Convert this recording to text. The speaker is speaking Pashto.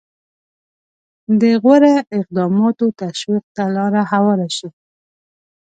د غوره اقداماتو تشویق ته لاره هواره شي.